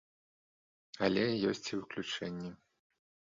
Але ёсць і выключэнні.